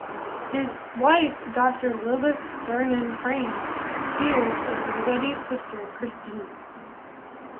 His wife Doctor Lilith Sternin-Crane appears as Rosetti's sister, Christine.